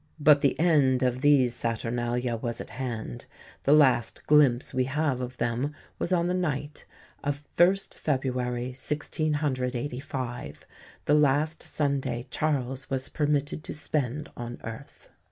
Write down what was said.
But the end of these saturnalia was at hand. The last glimpse we have of them was on the night of 1st February 1685 the last Sunday Charles was permitted to spend on earth.